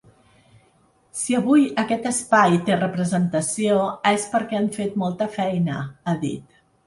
Si avui aquest espai té representació, és perquè han fet molta feina, ha dit.